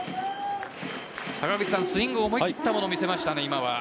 スイング、思い切ったものを見せましたね、今。